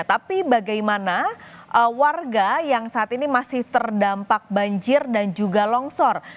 tapi bagaimana warga yang saat ini masih terdampak banjir dan juga longsor